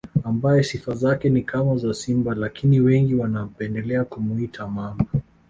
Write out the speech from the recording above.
Ambaye sifa zake ni kama za simba lakini wengi wanapendelea kumuita Mamba